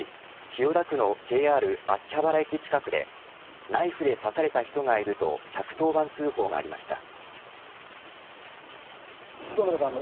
千代田区のＪＲ秋葉原駅近くでナイフで刺された人がいると１１０当番通報がありました。